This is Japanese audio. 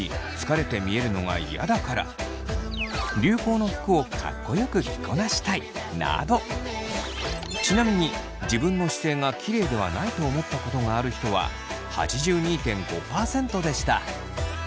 その理由で多かったのはちなみに自分の姿勢がきれいではないと思ったことがある人は８２．５％でした。